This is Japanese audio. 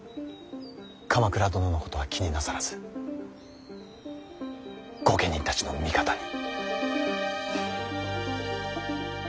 鎌倉殿のことは気になさらず御家人たちの味方に。